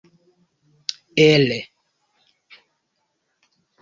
el